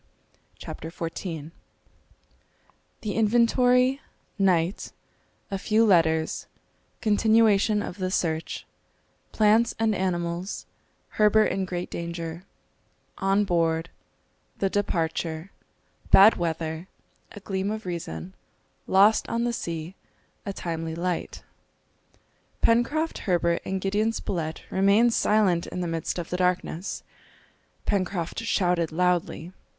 ] CHAPTER XIV The Inventory Night A few Letters Continuation of the Search Plants and Animals Herbert in great Danger On Board The Departure Bad Weather A Gleam of Reason Lost on the Sea A timely Light. Pencroft, Herbert, and Gideon Spilett remained silent in the midst of the darkness. Pencroft shouted loudly.